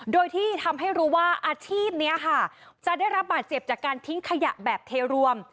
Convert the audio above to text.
โดยที่ทำให้รู้ว่าอาชีพนี้ค่ะจะได้รับบาดเจ็บจากการทิ้งขยะแบบเทรวม